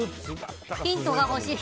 ヒントが欲しい。